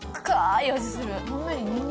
い味する。